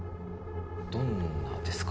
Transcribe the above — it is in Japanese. どんなですか？